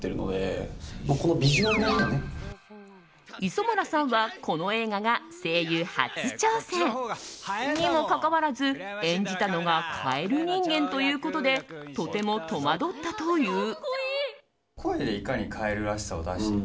磯村さんは、この映画が声優初挑戦にもかかわらず演じたのがカエル人間ということでとても戸惑ったという。